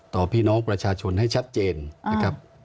พี่น้องประชาชนให้ชัดเจนนะครับ